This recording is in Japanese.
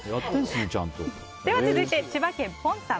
続いて、千葉県の方。